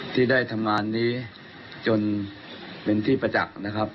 ที่ได้ทำงานนี้จนเป็นที่ประจักษ์นะครับ